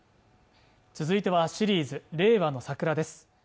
続いてはシリーズ「令和のサクラ」です